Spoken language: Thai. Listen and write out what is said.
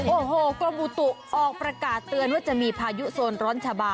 โอ้โหกรมอุตุออกประกาศเตือนว่าจะมีพายุโซนร้อนชะบา